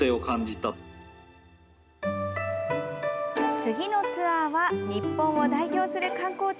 次のツアーは日本を代表する観光地